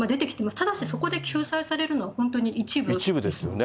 ただしそこで救済されるの、一部ですよね。